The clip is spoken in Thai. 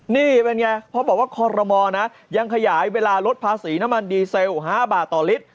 นี่เป็นไงเพราะบอกว่าคอรมอลนะยังขยายเวลาลดภาษีน้ำมันดีเซล๕บาทต่อลิตร